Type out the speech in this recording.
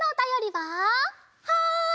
はい！